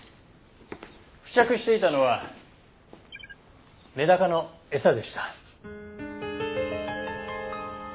付着していたのはメダカの餌でした。